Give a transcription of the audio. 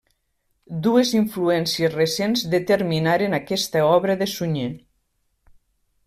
Dues influències recents determinaren aquesta obra de Sunyer.